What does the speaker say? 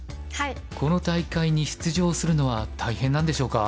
この大会に出場するのは大変なんでしょうか？